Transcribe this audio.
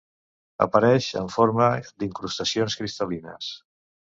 Apareix en forma d'incrustacions cristal·lines.